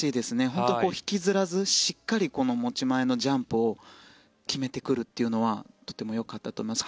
本当に引きずらずしっかり持ち前のジャンプを決めてくるっていうのはとてもよかったと思います。